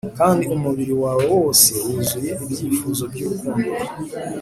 kandi umubiri wawe wose wuzuye ibyifuzo byurukundo!